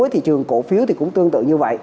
thị trường cổ phiếu cũng tương tự như vậy